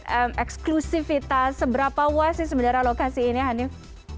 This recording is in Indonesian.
dan eksklusifitas seberapa luas sih sebenarnya lokasi ini hanif